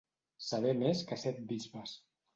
Saber més que set bisbes.